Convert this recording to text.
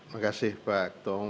makasih pak ketua umum